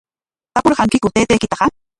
¿Tapurqankiku taytaykitaqa?